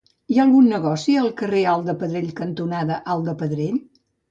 Hi ha algun negoci al carrer Alt de Pedrell cantonada Alt de Pedrell?